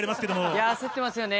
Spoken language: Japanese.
いやー、焦ってますよね。